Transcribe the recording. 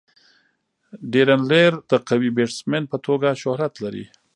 ډیرن لیهر د قوي بيټسمېن په توګه شهرت لري.